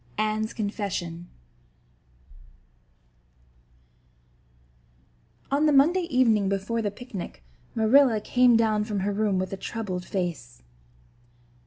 Anne's Confession ON the Monday evening before the picnic Marilla came down from her room with a troubled face.